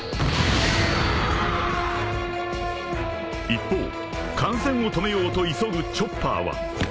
［一方感染を止めようと急ぐチョッパーは］